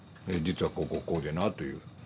実はこうこうこうでなという。